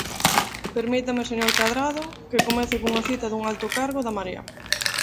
Permítame, señor Cadrado, que comece cunha cita dun alto cargo da Marea.